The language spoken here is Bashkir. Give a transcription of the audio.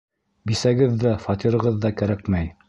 Бисәгеҙ ҙә, фатирығыҙ ҙа кәрәкмәй!